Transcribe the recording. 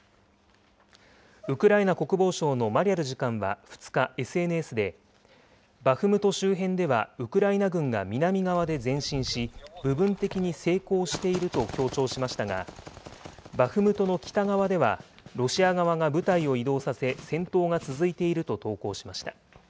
ウクライナ国防省のマリャル次官は２日、ＳＮＳで、バフムト周辺ではウクライナ軍が南側で前進し、部分的に成功していると強調しましたが、バフムトの北側では、ロシア側が部隊を移動させ、戦闘が続いていると投稿しました。